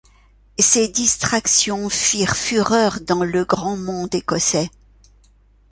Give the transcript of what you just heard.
Ses distractions firent fureur dans le grand monde écossais.